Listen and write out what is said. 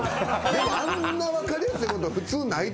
でもあんな分かりやすいことは普通ないと思うねん。